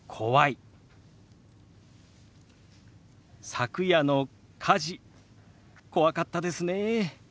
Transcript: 「昨夜の火事怖かったですね」。